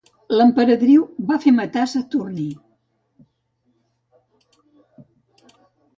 L'emperadriu va fer matar Saturní.